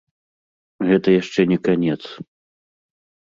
Гэта яшчэ не канец.